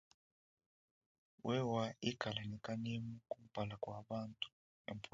Wewa ikala ne kanemu kumpala kua bantu.